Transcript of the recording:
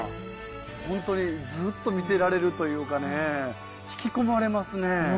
本当にずっと見てられるというかね引き込まれますね。